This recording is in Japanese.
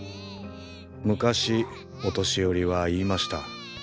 昔お年寄りは言いました。